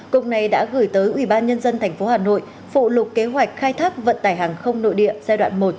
cục này đã gửi tới ubnd tp hà nội phụ lục kế hoạch khai thác vận tải hàng không nội địa giai đoạn một